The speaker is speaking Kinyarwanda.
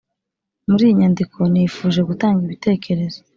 Muri iyi nyandiko nifuje gutanga ibitekerezo